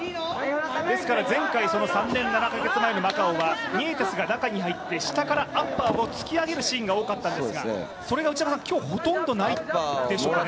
前回、３年７カ月前のマカオは、ニエテスが中に入って下からアッパーを突き上げるシーンが多かったんですが、それが今日、ほとんどないでしょうかね。